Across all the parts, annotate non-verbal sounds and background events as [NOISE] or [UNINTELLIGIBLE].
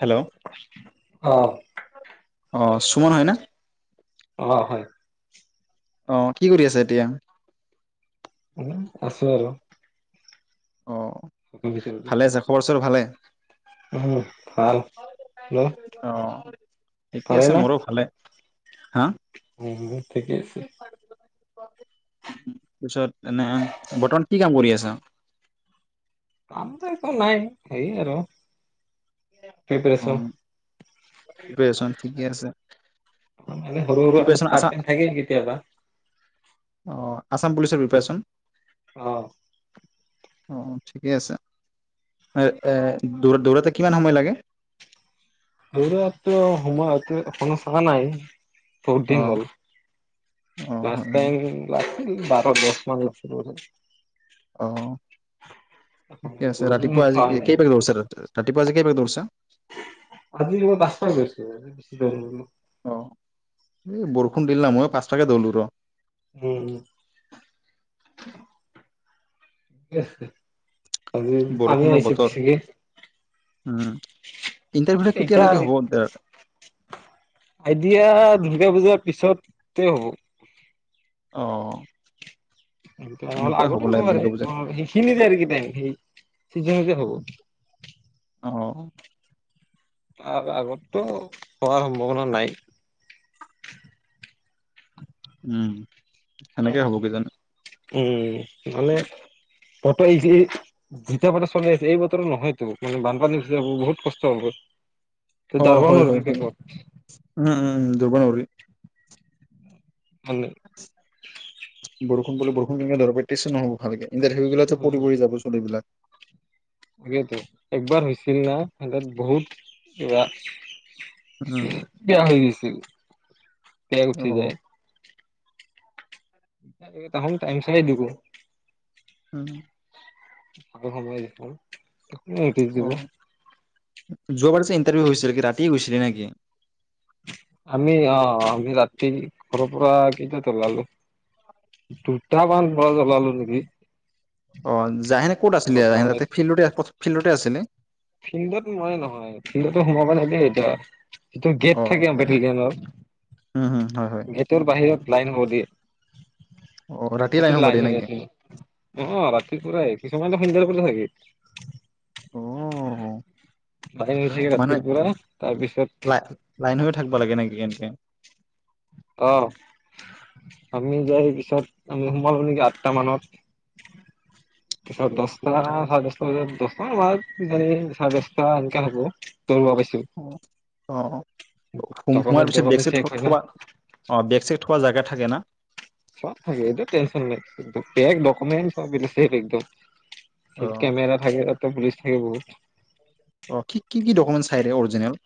Hello অহ। অ সুমন হয় ন? অ হয়। অ কি কৰি আছে এতিয়া? এনেই আছো আৰু। অ, ঘৰৰ ভিতৰতে ভালে আছে খবৰ চবৰ ভালে? উম ভাল। অ ঠিকে ভালেই আছে নে? মোৰো ভালে হা? হয় হয় [UNINTELLIGIBLE] ঠিকেই আছে। তাৰ পিছত এনে বৰ্তমান কি কাম কৰি আছা? কামটো একো নাই সেৰি আৰু। পিপেৰেচন। পিপেৰিচন ঠিকেই আছে। মানে সৰু সৰু আৰু প্ৰিপেৰেচন আছা পাৰ্ট টাইম থাকে কেতিয়াবা। অ। আছাম পুলিচৰ পিপাৰেচন, অ অ ঠিকে আছে। অ অ দৌ দৌৰোতে কিমান সময় লাগে? [UNINTELLIGIBLE] বহুত অ দিন হ'ল। অ লাষ্ট হয় হয় টাইম, বাৰ [UNINTELLIGIBLE] অ ঠিকে আছে, বহুত দিন ৰাতিপুৱা হ'ল আজি চোৱাই নাই কেইটা বজা দৰিছে ৰাতিপুৱা আজি? কেইবাৰ দৌৰিছা। আজি মই পাঁচটাত দৌৰিছো, অ। এই বৰষুণ দিলে মইয়ো পাঁচটাতে দৌৰো ৰ। উম। বৰষুণৰ বতৰ [UNINTELLIGIBLE] উম। ইণ্টাৰভিউ কেতিয়ালৈকে হব তাৰ। এতিয়া দূৰ্গা পূজাৰ পিছতে হব। অহ উম তেনেহলে আগতো নোৱাৰে, পূজাত অ সেইখিনিতে এৰি দিবাইন, সিজাই সিজাই খাব। অ তাৰ আগত তো হোৱাৰ সম্ভাৱনা নাই। উম সেনেকে হব কি জান। উম মানে বতৰ এইখিনিত যিটীয়া বতৰ চলি আহিছে, এই বতৰ নহয়তো মানে বানপানীু যেতিয়া হব বহুত কষ্ট হব। তই অ যাবও হয় হয় নোৱাৰিবি হয়, শেষত উম উম উম দুৰ্ব নৰী। ভালে। বোলো বৰষুণ কেনকে দৰৰ প্ৰেক্টিছ নহ'ব ভালকে। ইণ্টাৰভিউ বিলাক ত পৰি পৰি যাব চোন এই বিলাক। সেইতো একবাৰ হৈছিল না হেতৰ বহুত কিবা। উম বেয়া হৈ গৈছিল, বেয়া অ উঠি যায়। এতিয়া এ তাহুম টাই চাই দিব। হুম। আৰু সময় দেখোন। এইতিক অ দিব। যোৱাবাৰ যে ইণ্টাৰভিউ হৈছিল, কি ৰাতি হৈছিলে নেকি। আমি অ, আমি ৰাতি ঘৰৰ পৰা কেইটা ওলালোঁ। দুটামান বা জ্বলালো নেকি। অ যাহেনে। ক'ত আছিলে ঘৰৰ এ পৰা সতে ওলাইছো ফিল্ডতে ফিল্ডতে আছিলে। ফিল্ডত মই নহয়, ফিল্ডটো সোমাবা নিদিয়ে এতিয়া। যিটো অ গেট থাকে, অহ বেটেলীয়ানৰ, উম হুম হয় হয় গেটৰ বাহিৰত। লাইন হ দি। অ ৰাতি হ'ব দিয়ে লাইন নেকি হিয়েটি, অ ৰাত। প পৰাই কিছুমান ত শুইণ্ড ৰূপ গহ নেকি। অঅ উ [UNINTELLIGIBLE] পাইনিকি ৰাতিৰ পৰা, তাৰপিছত। লাই লাইন হৈ থাকিব লাগে নেকি এনেকে অ আমি যাই পিছত, আমি সোমালো নেকি আঠটা মানত। পিছত দচটা চাৰে দচটা বজাত, দচটা, ৱাইফ জনি, চাৰে দচটা এনকে ভাবো, দৌৰিব পাইছো। ডকুমেণ্ট চকুমেণ্ট চেক হয় না [UNINTELLIGIBLE] থাকে না। চব থাকে এইটোত টেনচন নাই বেগ ডকুমেণ্ট। চব মিলিছে কিন্তু, অ ফিত কেমেৰা থাকে। তাত পুলিচ থাকিব বহুত। [UNINTELLIGIBLE] অ' কি -কি -কি ডকুমেণ্টচ চাই ৰে অৰিজিনেল।?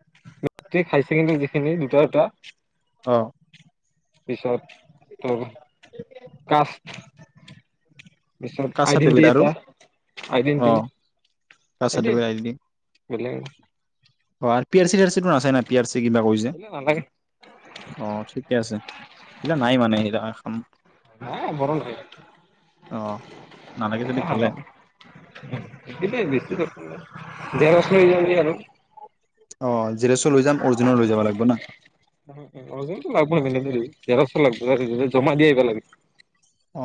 [UNINTELLIGIBLE] হাইছেকেণ্ডৰী দিছিলে দুটা এটা [UNINTELLIGIBLE] অহ, পিছত? ত' কাষ্ট, পিছত কাষ্ট আইডেণ্টি চাৰ্টিফিকেট আৰু এটা অ আইডেন্টি। কাষ্ট সেইটোৱে চাৰ্টিফিকেট বোলে। অহ, R P -R -C, C - R - C বোৰ আছে নাই পি - আৰ - চি? [UNINTELLIGIBLE] কিবা কৰিছে বেলেগ নালাগে অ, ঠিকে আছে। [UNINTELLIGIBLE] ইবিলাক নাই মানে এইবিলাক আঁ, [UNINTELLIGIBLE] আ, মৰ নাই। [UNINTELLIGIBLE] অ, ' এতিয়া [UNINTELLIGIBLE] দেৰচ, - আৰু [UNINTELLIGIBLE] অহ, জেৰক্স লৈ যাম অৰিজিনেল লৈ যাব লাগব না। অৰিজনেল টো লাগব বলেগ নহলি, জেৰক্স অ ' লাগব জমা দি আহিবা লাগে।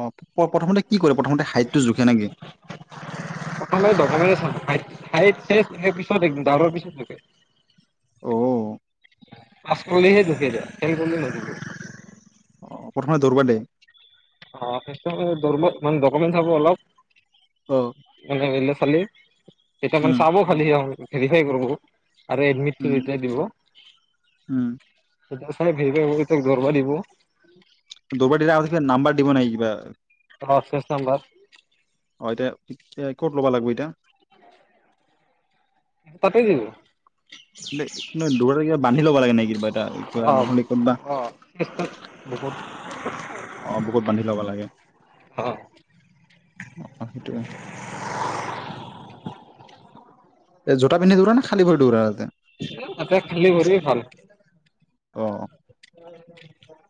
অ' প্ৰথমতে কি কৰে প্ৰথমতে হাইটটো জোখে নেকি? প্ৰথমে ডকুমেণ্টছ চাব, হাইট - চাইট সেই দৌৰা পিছত থাকে। অহ, পাচকৰলেহে জুখে দিয়া ফেইল কৰলে নুজুখে। [UNINTELLIGIBLE] প্ৰথমে দৌৰব দেই। অ' ফাষ্টতে দৌৰব দেই মানে ডকুমেণ্ট চাব অলপ। অ মানে এইবিলাক, খালী, তেতিয়া মানে উম চাব খালি সি, ভেৰিফাই কৰব। [UNINTELLIGIBLE] আৰু এডমিটটো উম যেতিয়া দিব, উম [UNINTELLIGIBLE] যেতিয়া চব ভেৰিফাই হব তেতিয়া দৰবা দিব। দৌৰবা দি আগতে কিবা নাম্বাৰ দিব নাই কিবা? [UNINTELLIGIBLE] হৰচেছ নাম্বাৰ। এই কত লবা লাগব এতিয়া? পতোই যিব [UNINTELLIGIBLE] দ কিবা বান্ধি লব লাগে নে কিবা এটা কিবা অ নহলে ক'তবা। অ চেষ্টাত বহুত আহ বুকুত বান্ধি লব লাগে অ আহ সেইটোৱে। [UNINTELLIGIBLE] এ জোতা পিন্ধি দৌৰা ন খালি ভৰি দৌৰা তাতে? [UNINTELLIGIBLE] খালী ভৰিৰে ভাল। অ। হয়।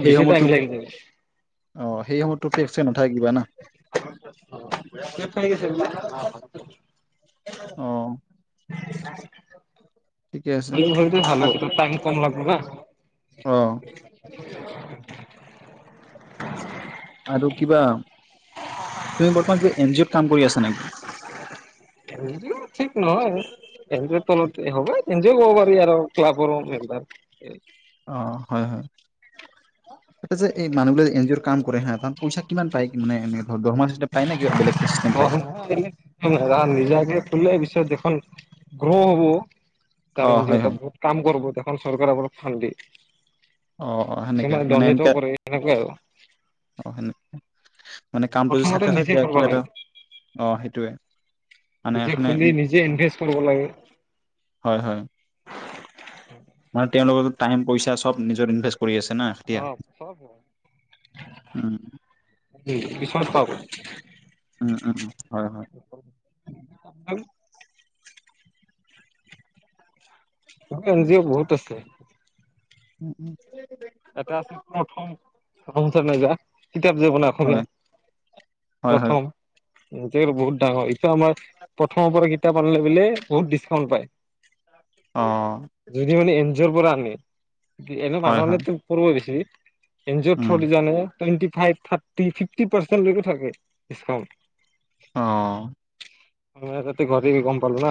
সেই সময়ততো অ' সেই সময়ততো পেকচে নাথাকিবা না। ফক চ [UNINTELLIGIBLE] অহ'। [INAUDIBLE] আছে হালো আৰু টাইম কম লাগল না অ' [UNINTELLIGIBLE] [INAUDIBLE] আৰু কিবা তুমি বৰ্তমান কিবা এন জি অ'ত কাম কৰি আছা নেকি? এন জি অ ঠিক নহয়। এণ জি অ ৰ তলতে হয়। [UNINTELLIGIBLE] এন জি অ কব পাৰি আৰু ক্লাবৰ মেম্বাৰ [UNINTELLIGIBLE] অ' হয়, হয়। ত যে [UNINTELLIGIBLE] এই মনুহবিলক এ্ন জি অৰ [UNINTELLIGIBLE] কাম কৰে হা তাত পইচা কিমান পায়? কি মানে এনে দৰমহা চিষ্টেম পায় নে কিবা বেলেগ চিষ্টেম পায়? খন গ্ৰহ হ'ব। ত অ' হয় যিত হয় বহত কাম কৰ ত [UNINTELLIGIBLE] চৰকাৰ পৰা ফাণ্ড অ' দিয়ে। অ' সেনেকা কিমানে মানে দণ্ডিত এনেকা কৰে, সেনেকুৱাই আৰু অ হয়ে নক্চয় [UNINTELLIGIBLE] মানে কামটো য প্ৰথমতে চাকচেছ হয় নিজে তেতিয়া কৰিব কিবা এটা লাগে অ' সেইটোৱে। মানে নিজে এখনে খুলি নিজে ইনভেষ্ট কৰিব লাগে। হয় হয় মানে তেওঁলোকৰ টাইম পইচা চব নিজৰ ইনভেষ্ট কৰি আছে না এতিয়া, অ চব উম। উ বিশাস পক [UNINTELLIGIBLE] উম, উম, হয়, হয়। [INAUDIBLE] এনজিঅ বহুত আছে। উম, উম। এটা আছে প্ৰথম প্ৰথম চ মে যা কিতাপ যে বানায় অসমীয়া হয়, হয়, হয়, হয়, প্ৰথম ইতেৰ বহুত ডাঙৰ ইত আমাৰ প্ৰথম পৰা কিতাপ আনিলে বোলে বহুত ডিচকাউণ্ট পায়। অ', [INAUDIBLE] যদি মানে এন যৰ পৰা আমি এনে মান হয়, হয়, হলেটো পূৰ্ব বেছি এন জিঅ উম, থ্ৰত জানে twenty five thirty fifty percent লৈকে থাকে ডিচকাউণ্ট অ অ আগতে ঘৰিৰ গম পালোঁ না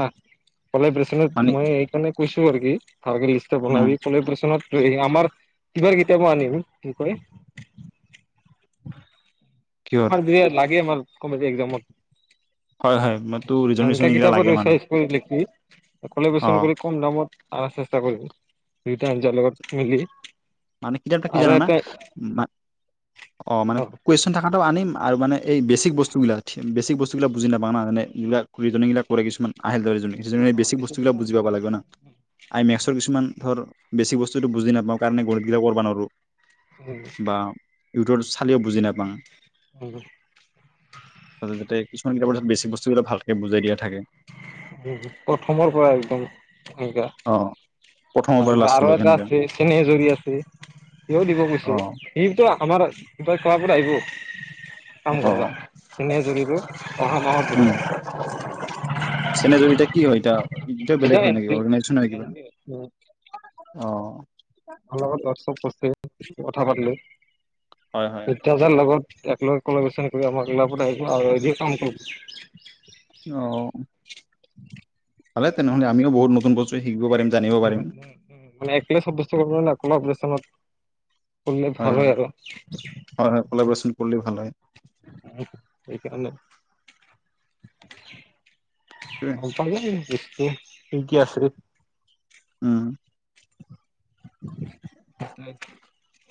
কলে বেশনত মানে মই এই কাণে কৈছো আৰু কি হাগিৰি লিষ্টৰ উম, বনাবি কলে বেচনত টোৱে আমাৰ কিবাৰ কেতিয়াবা আনিম কি কয় কিহত আমাৰ গুয়াত লাগে মান কমেডী এক্সামত হয় হয় মইতো ৰিজন মিৰ্ষণ এইেইটা লাগে মানে কলে বেচন অ', কৰি কম দামত আহ চেষ্টা কৰিবি ৰীতা আঞ্জাযাৰ লগত মিলি মানে কিতাপ থাকা টো আৰু কিজানা এটা অ মানে কুৱেশন থকাটো আনিম আৰু মানে এই বেছিক বস্তুবিলাক বেছিক বস্তুবিলাক বুজি নাপাওঁ না যেনে এইবিলাক জনীবিলাক কৰে কিছুমান আহিল তজনী জুনে অ বেছিক বিশেষ বস্তুবিলাক না বুজিাব লাগেব না আইমেক্সৰ কিছুমান ধৰ বেছি বস্তু বুজি নাপাওঁ কাৰণে কৰিম কিবা কৰবা নোৱাৰো উম ইউটৰ চালেও বুজি নেপাক যাতে কিছুমান কিতাপৰ বেছি বস্তুবিলাক ভালকে বুজাই দিয়া থাকে। প্ৰথমৰ পৰা একদম এনকা অ', প্ৰথমৰ ভাল পৰা ভা আৰু লাষ্টলৈকে এটা সেনেকা আছে চেনে এ জৰি আছে সিও দিব অ কৈছে সিো আমাৰ তই খোৱা ব আহিব আম অ কৰৰবা নে যুৰি। কি। অ বহুত দূৰত। চেনে জমি এ কি হয় এতিয়া। বেলেগ এতিয়া হয় নেকি এনপি অৰ্গেনাইজন ন কিবা অ। ভাল লগ দৰ্শক কছে কথা পাতিলে। হয় হয় এতিয়াজাৰ লগত। একেলগে কন আমাৰ কালাবত আহিব আৰু যি কাম কৰ। আহ। ভাল তেনেহ'লেমিও বহতুন ব্তু শিক পাৰিম। জানিব উ পাৰিম উ উ ম একলে চত কৰিব ন ক অপচনত। হয় হয়, হয় হয় কলেবৰেচন কৰিলে। ভালে। উ সেইকাৰণে। সেইটোৱে, অ প। কি কি আছে। উম। [UNINTELLIGIBLE]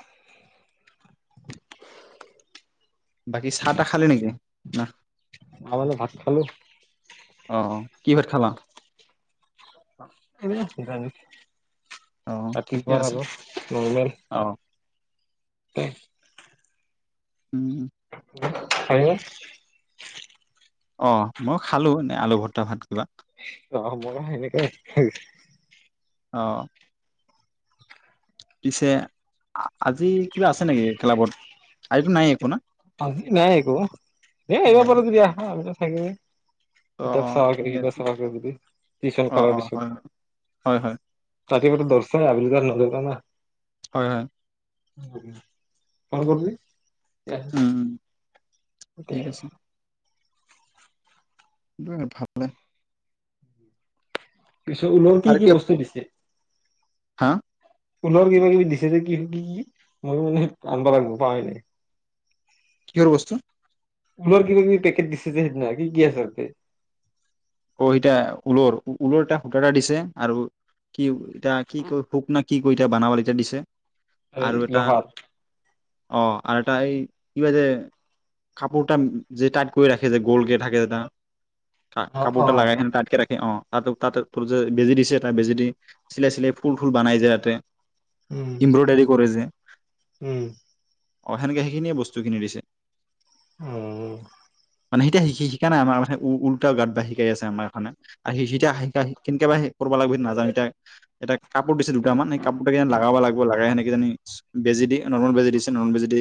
বাকী চাহ তাহ খালে নেকি না। মানে ভাত খালো আহ কি ভাত খাবা। হে বিলাক অ ঠিকে ৰাতিপুৱা আছে আৰু নৰ্মেল। অ উ। উম। হয়। অ মই খালো নে আলু ভ্তা ভাত কিবা। অ মই হেনেকাই খাইছো। আহ। পিছে, আজি কিবা আছে নেকি? খেলাবত আজিতো নাই একো না। আজি নায়কো ন অ এব বৰুদ্ৰিয়া। হে। অ অ কিতাপ চাবাকে ঠিকে কিবা আছে চাবাক যদি টিউচন অ কৰাৰ অ পিছত। হয় হয় হয় তাকি প দৰ্শ আবিলি ত নজৰ ত ন। হয় হয়। হৈ গ'ল উম উ। এয়। ভালে। পিছত ওলৰ কি আৰু কি কিয় বস্তু দিছে।? হা। পলনৰ কিবা কিবি দিছে যে কি কি কি মইো মানে আনব লাগিব পাই নাই [UNINTELLIGIBLE] কিহৰ বস্তু? তোমাৰ কিবা কিবি পেকট দিছে যে সেইদিনা কি কি আছে ততে। অহতিয়া ঊলৰ ঊলৰ এটা সূতা এটা দিছে আৰু কি এতিয়া কি ক শুক নি। কি কৰি এতিয়া বনাব এতিয়া দিছে। এই লোহাট। অঁ, আৰু এটা এই কি ক যে কাপোৰ এটা যে টাইট কৰি ৰাখে যে গ'ল্কে থাকে এটা। অ অ কাপোৰ লগাইেনে তাতকে ৰাখে অঁ। তাত তাতে ত যে বেজি দিছে তাত বেজি দি চিলাই চিলাই ফুল ফুল বনাইছে তাতে। উম এম্ব্ৰইডাৰী কৰেছে [UNINTELLIGIBLE] হয়। উম। অ হেনকে সেইখিনিয়ে বস্তু কিনি দিছে। উম। মানে সেতিয়া শি শি শিকা নাই আমাৰ মানে উ উ উলটা গাত বা শিকাই আছে আমাৰ এখনে। আহি হিতিয়া হিতিয়া সেইখিন, একেবা সে কৰিব লাগিব স নাজানো এতিয়া এটা কাপোৰ দিছে দুটামান সেই কাপোৰটা লগাব লাগিব লাগাই সেনেকেইজানী বেজি দি নৰ্মল বেজি দিছে নৰ্মল বেজি দি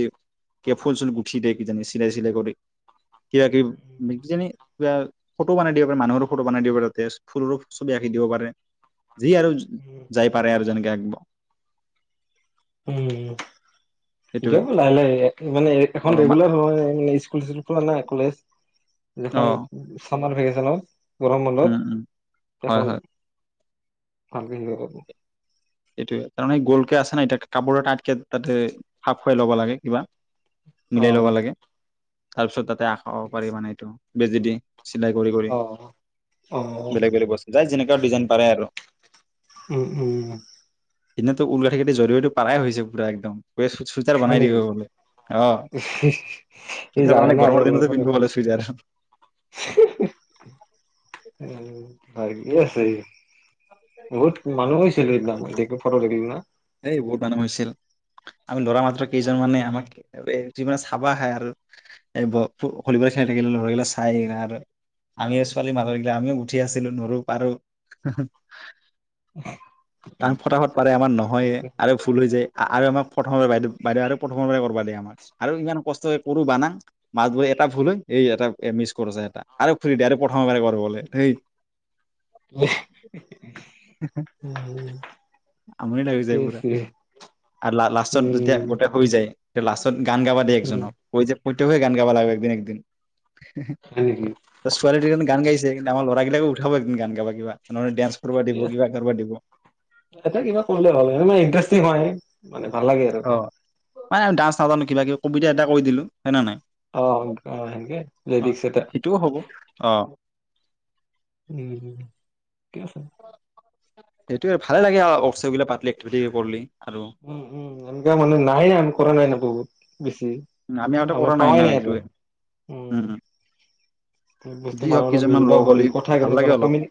কে ফুল চুল গুঠি দিয় কিজানি চিলাই চাই কৰি কিবা কিবি মিক জনি। উয়া ফটো বনাই দিব পাৰে মানুহৰ ফটো বনাই দিব পাৰে তেচ ফুলৰো ছবি আঁকি দিব পাৰে। যি আৰু উম যাই পাৰে আৰু যেনে আঁকব। সেই সেইটোৱে এতিয়া লাহে লাহে মানে অ এখন মা ৰেগুলাৰ হয় মেচ খুলিছিল খোলা নাই কলেজ? অ দেখোন চামাৰ ভেকেছণত। উম উম গৰমবন্ধত হয় হয় এখন ভালকে দিবা বাৰো। এইটোয়ে তাৰমানে গ'লকে আছে নাই এতিয়া কাপোৰৰ তাতকে তাতে সাপ খুৱাই ল'ব লাগে কিবা? অ মিলাই ল'ব লাগে। তাৰপিছত তাত তাতে খাব পাৰিব মানে এইটো বেজি দিয়ে। চিলাই কৰি কৰি অ অ বেলেগ বেলেগ বস্তু তাই যেনেকুৱা ডিজাইন পাৰে আৰু উম উম। এতিয়াও তো উল গাঠি কেইটা জৰুৰীতটো পাৰাই হৈছে পুৰা একদম। [UNINTELLIGIBLE] চুইজাৰ হয় বনাই দিব নেকি বোলে অ এই চুইজাৰ আৰু বনালে গৰমৰ দিনতে হয় কি? পিন্ধিব বোলে চুইজাৰ হয় আছেহি। বহুত মানুহ হৈছিলো সেইদিনা লাগিব না এই বহুত মানুহ হৈছিল আমি ল'ৰা মাত্ৰ কেইজন মানে উম আমাক। যিমানানে চাবা খাই আৰু এইবোৰৰ ভলীবল খেলি থাকিলো চাই আহিল আৰু আমি ছোৱালী মানৰি গিলা আমিওঁ উঠি আছিলো নৰো পাৰো। [UNINTELLIGIBLE] উম তাক ফটাফত পাৰে আমাৰ নহয়ে আৰু ভুল হৈ যায়। [UNINTELLIGIBLE] আৰু আমাক প্ৰথম বাইদেউ বাইদেউ আৰু প্ৰথম পৰা কৰা দিয় আমাক আৰু ইমান কষ্ট কৰো বানাক মাছবোৰ এটা ফুলো এই এটা মিছ কৰ এটা আৰু খু দ আৰু। খাব পাৰিব সেই উম আমনি লাগি কি যায় পুৰা আছিল? আৰু লাষ্টত যেতিয়া উম, গোটেই হৈ যায় লাষ্টত। গান গাবা দেই, উম, একজনক কৈ যে [UNINTELLIGIBLE] গোটেই বোৰ হৈ গান গাব লাগিব। একদিন, একদিন হয় নেকি? ত ছোৱালী দুজনী গান গাইছে কিন্তু, আমাৰ ল'ৰাবিলাকো উঠাব। [UNINTELLIGIBLE] গান গাব কিবা নহলে ডান্স। কৰিব দিব কিবা, কৰিব দিব। এয়া কিবা কৰিলে হ'ল ইণ্ষ্টি হয়। [UNINTELLIGIBLE] লাগে আৰু অঁ, মানে আমি ডান্স নাজানো কিবা কিবি সুবিধা এটা কৈ দিলো। হয় না নাই অঁ অ অঁ সেইটোও হ'ব অ উম কোৱাচোন? সেইটো ভালে লাগে উসচব বিলাক পাতল একিট কৰিলি উম উম উম।। একো কৰা মানে নাই, আমাৰ কৰা নাই নাই বহুত বেছি আগতে আমি কৰা নাই পাৱাই না ন আৰু এইটোয়ে উম [UNINTELLIGIBLE] স যি বুজতে হওক মানুহলৈ কেইজনমান মিলব লগ হ'লে পাৰি কথা ভাল লাগে গ অলপ কম [UNINTELLIGIBLE]